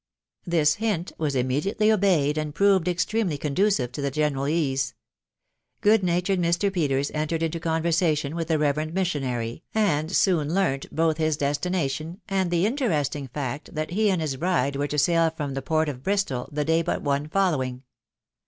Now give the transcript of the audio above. This hint was immediately obeyed, and proved extremely conducive to the general ease. Good natured Mr. Peters en tered into conversation with the reverend missionary, and soon learnt both his destination, and the interesting fact that he and his bride were to sail from the port of Bristol the day but one following.